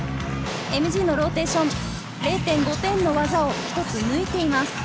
ＭＧのローテーション、０．５点の技を一つ抜いています。